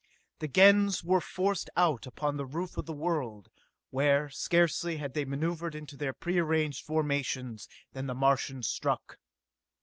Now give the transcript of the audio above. The Gens were forced out upon the roof of the world where, scarcely had they maneuvered into their prearranged formations, than the Martians struck.